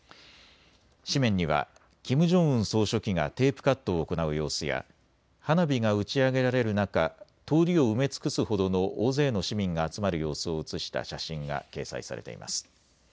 紙面にはキム・ジョンウン総書記がテープカットを行う様子や花火が打ち上げられる中、通りを埋め尽くすほどの大勢の市民が集まる様子を写した写真が掲載されています。